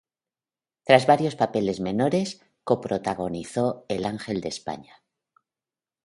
Tras varios papeles menores, coprotagonizó "El ángel de España".